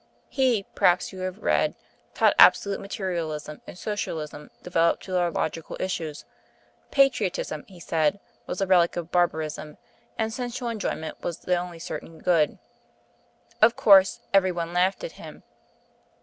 He, perhaps you have read, taught absolute Materialism and Socialism developed to their logical issues. Patriotism, he said, was a relic of barbarism; and sensual enjoyment was the only certain good. Of course, every one laughed at him.